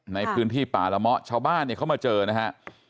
ในพื้นที่ป่าละเมาะชาวบ้านเนี่ยเขามาเจอนะฮะ